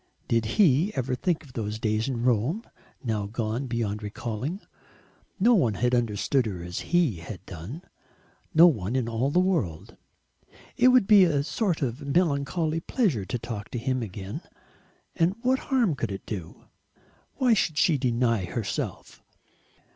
Did he ever think of those days in Rome gone now beyond recalling? No one had understood her as he had done; no one in all the world. It would be a sort of melancholy pleasure to talk to him again, and what harm could it do? Why should she deny herself?